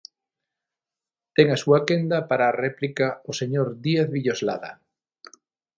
Ten a súa quenda para a réplica o señor Díaz Villoslada.